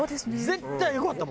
絶対よかった。